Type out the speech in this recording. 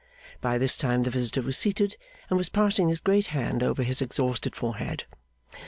By this time the visitor was seated, and was passing his great hand over his exhausted forehead.